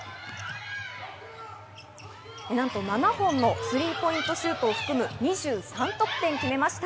なんと７本のスリーポイントシュートを含む２３得点決めました。